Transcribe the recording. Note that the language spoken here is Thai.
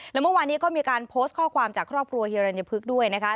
แล้วเมื่อวานนี้ก็มีการโพสต์ข้อความจากครอบครัวเฮียรัญพฤกษ์ด้วยนะคะ